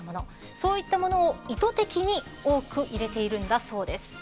そういったものを意図的に多く入れているんだそうです。